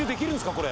これ。